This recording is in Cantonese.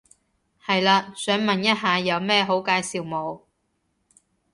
係嘞，想問一下有咩好介紹冇？